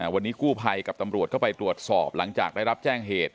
วันนี้กู้ภัยกับตำรวจเข้าไปตรวจสอบหลังจากได้รับแจ้งเหตุ